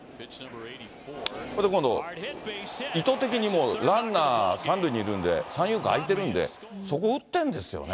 今度、意図的に、ランナー３塁にいるんで、三遊間空いてるんで、そこ打ってんですよね。